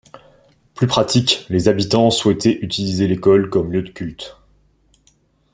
Plus pratique, les habitants souhaitaient utiliser l’école comme lieu de culte.